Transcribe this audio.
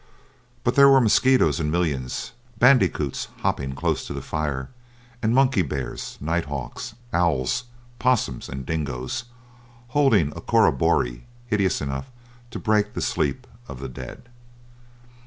But there were mosquitos in millions, bandicoots hopping close to the fire, and monkey bears, night hawks, owls, 'possums and dingoes, holding a corroboree hideous enough to break the sleep of the dead.